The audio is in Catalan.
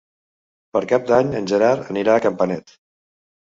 Per Cap d'Any en Gerard anirà a Campanet.